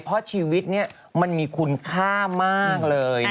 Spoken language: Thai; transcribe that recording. เพราะชีวิตนี้มันมีคุณค่ามากเลย